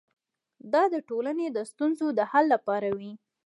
دا د ټولنې د ستونزو د حل لپاره وي.